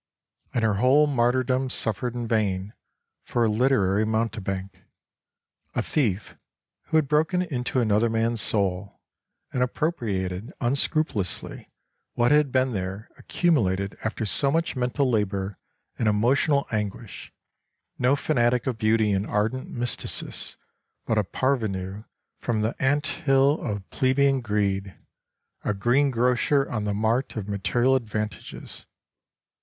And her whole martyrdom suffered in vain for a literary mountebank, a thief who had broken into another man's soul, and appropriated unscrupulously what had been there accumulated after so much mental labor and emotional anguish, no fanatic of beauty and ardent mysticist but a parvenue from the ant hill of plebeian greed, a green grocer on the mart of material advantages.